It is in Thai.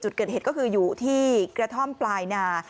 จุดเกิดเหตุก็คืออยู่ที่กระท่อมปลายนา